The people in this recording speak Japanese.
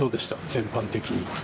全般的に。